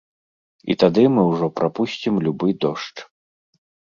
І тады мы ўжо прапусцім любы дождж.